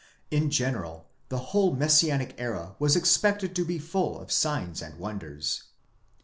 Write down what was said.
In general the whole Messianic era was expected to be full of signs and wonders.